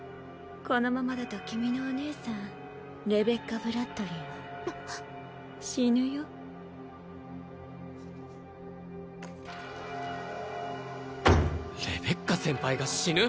このままだと君のお姉さんレベッカ＝ブラッドリィは死ぬよレベッカ先輩が死ぬ？